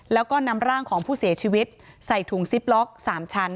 แล้วก็นำร่างของผู้เสียชีวิตใส่ถุงซิปล็อก๓ชั้น